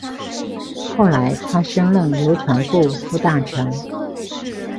后来他升任邮传部副大臣。